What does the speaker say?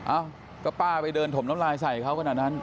เอ้าก็ป้าไปเดินถมน้ำลายใส่เขาขนาดนั้น